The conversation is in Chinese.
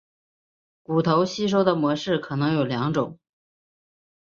骨头吸收的模式可能有两种。